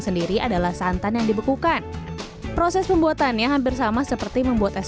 sendiri adalah santan yang dibekukan proses pembuatannya hampir sama seperti membuat es